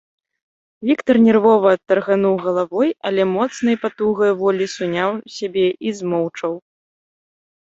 Віктар нервова таргануў галавой, але моцнай патугаю волі суняў сябе і змоўчаў.